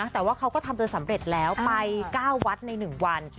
แต่ว่าเขาก็ทำจนสำเร็จแล้วไป๙วัดใน๑วัน